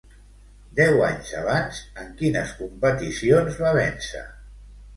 Deu anys abans, en quines competicions va vèncer?